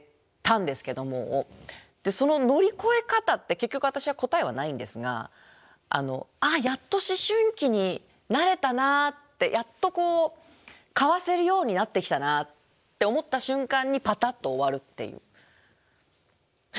その乗り越え方って結局私は答えはないんですが「あやっと思春期に慣れたな」って「やっとかわせるようになってきたな」って思った瞬間にパタッと終わるっていう。